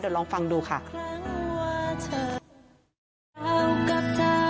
เดี๋ยวลองฟังดูค่ะ